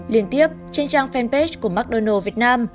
liên tiếp trên trang fanpage của mcdonald s việt nam